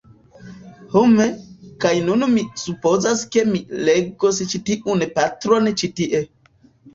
Hum, kaj nun mi supozas ke mi legos ĉi tiun parton ĉi tie